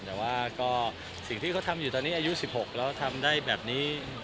แต่ว่าก็สิ่งที่เขาทำอยู่ตอนนี้อายุ๑๖แล้วทำได้แบบนี้